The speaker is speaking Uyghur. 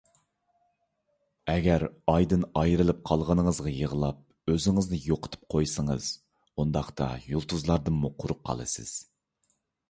ئەگەر ئايدىن ئايرىلىپ قالغىنىڭىزغا يىغلاپ، ئۆزىڭىزنى يوقىتىپ قويسىڭىز، ئۇنداقتا يۇلتۇزلاردىنمۇ قۇرۇق قالىسىز.